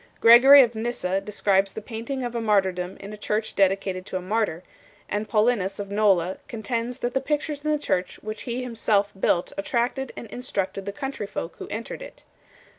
Gregory of Nyssa 6 describes the painting of a martyrdom in a church dedicated to a martyr ; and Paulinus of Nola 7 contends that the pictures in the church which he him self built attracted and instructed the country folk who entered it.